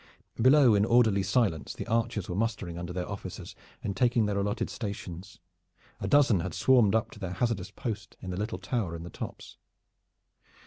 Below in orderly silence the archers were mustering under their officers and taking their allotted stations. A dozen had swarmed up to their hazardous post in the little tower in the tops.